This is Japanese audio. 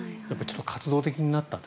活動的になったと。